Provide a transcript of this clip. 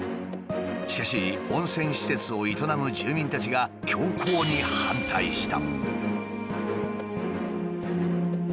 しかし温泉施設を営む住民たちが強硬に反対した。